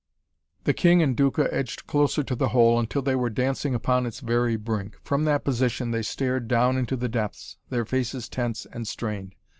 The king and Duca edged closer to the hole until they were dancing upon its very brink. From that position, they stared down into the depths, their faces tense and strained.